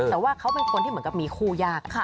แต่ว่าเขาเป็นคนที่เหมือนกับมีคู่ยาก